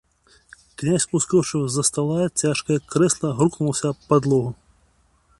Князь ускочыў з-за стала, цяжкае крэсла грукнулася аб падлогу.